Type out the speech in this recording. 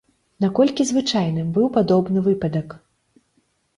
Наколькі звычайным быў падобны выпадак?